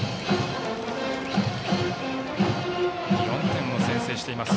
４点を先制しています